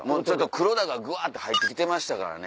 黒田がぐわって入って来てましたからね。